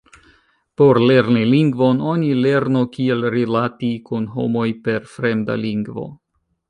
Por lerni lingvon, oni lernu kiel rilati kun homoj per fremda lingvo.